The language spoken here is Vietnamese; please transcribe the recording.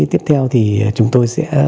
tiếp theo thì chúng tôi sẽ